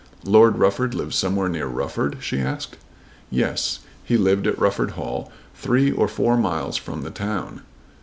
"Lord Rufford lives somewhere near Rufford?" she asked. Yes; he lived at Rufford Hall, three or four miles from the town.